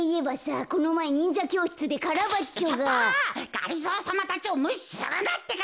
がりぞーさまたちをむしするなってか。